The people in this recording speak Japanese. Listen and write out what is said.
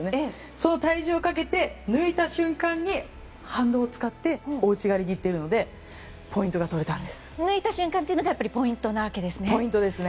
その体重をかけて、抜いた瞬間に反動を使って大内刈りにいっているので抜いた瞬間がポイントなわけですね。